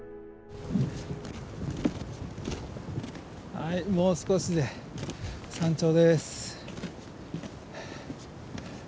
はいもう少しで山頂です。